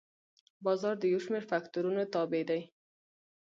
بازار د یو شمېر فکتورونو تابع دی.